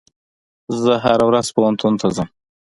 زه هره ورځ پوهنتون ته ځم.